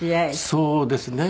そうですね。